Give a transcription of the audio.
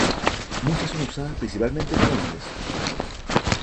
Muchas son usadas principalmente por hombres.